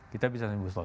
kita bisa sembuh total